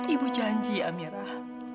ibu janji ya amirah